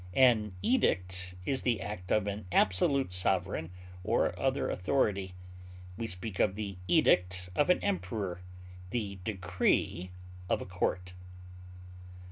An edict is the act of an absolute sovereign or other authority; we speak of the edict of an emperor, the decree of a court.